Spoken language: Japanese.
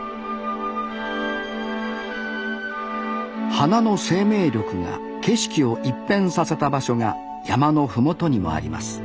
花の生命力が景色を一変させた場所が山の麓にもあります。